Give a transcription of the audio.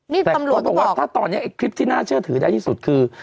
นี่ตำรวจเขาบอกว่าถ้าตอนนี้ไอ้คลิปที่น่าเชื่อถือได้ที่สุดคือ